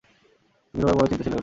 সঙ্গীর অভাবে বড় চিন্তাশীল হয়ে উঠেছি।